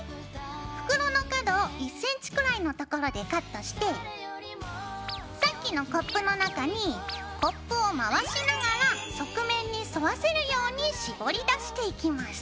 袋の角を１ｃｍくらいの所でカットしてさっきのコップの中にコップを回しながら側面に沿わせるようにしぼり出していきます。